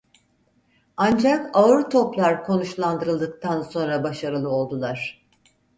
Ancak ağır toplar konuşlandırıldıktan sonra başarılı oldular.